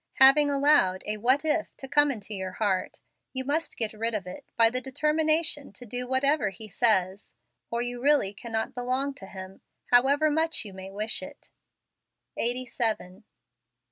Having allowed a what if " to come into your heart, you must get rid of it by the determination to do ichat ever He says, or you really cannot belong to Him, however much you may wish it. Eighty Seven.